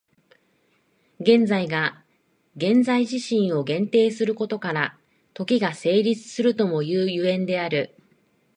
現在が現在自身を限定することから、時が成立するともいう所以である。